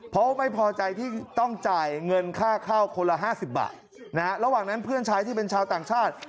เพราะไม่พอใจที่ต้องจ่ายเงินค่าเข้าคนละ๕๐บาทนะฮะระหว่างนั้นเพื่อนชายที่เป็นชาวต่างชาติ